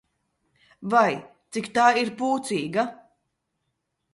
Vai, cik tā ir pūcīga!